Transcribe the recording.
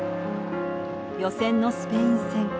予選のスペイン戦。